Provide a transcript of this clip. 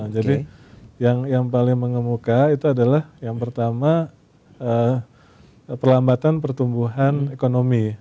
jadi yang paling mengemuka itu adalah yang pertama perlambatan pertumbuhan ekonomi